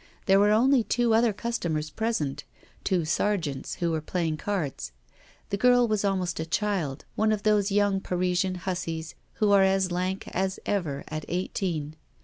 There were only two other customers present, two sergeants, who were playing cards. The girl was almost a child, one of those young Parisian hussies who are as lank as ever at eighteen.